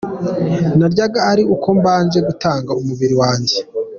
Naryaga ari uko mbanje gutanga umubiri wanjye.